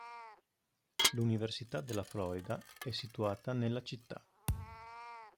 L'università della Florida è situata nella città.